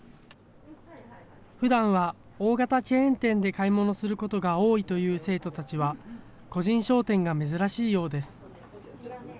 ふだんは大型チェーン店で買い物することが多いという生徒たちは個人商店が珍しいようです。